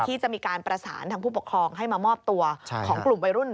ที่จะมีการประสานทางผู้ปกครองให้มามอบตัวของกลุ่มวัยรุ่น